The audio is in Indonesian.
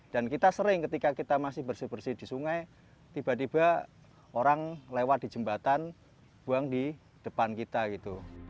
dan kita sering ketika kita masih bersih bersih di sungai tiba tiba orang lewat di jembatan buang di depan kita gitu